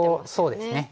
そうですね。